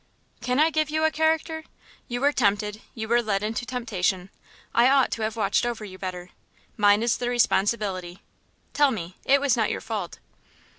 "Can I give you a character? You were tempted, you were led into temptation. I ought to have watched over you better mine is the responsibility. Tell me, it was not your fault."